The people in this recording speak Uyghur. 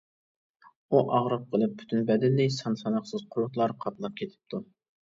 ئۇ ئاغرىپ قېلىپ، پۈتۈن بەدىنىنى سان-ساناقسىز قۇرتلار قاپلاپ كېتىپتۇ.